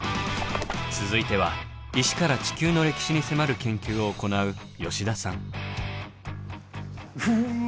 続いては石から地球の歴史に迫る研究を行ううわ